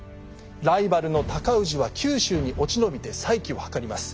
ライバルの尊氏は九州に落ち延びて再起を図ります。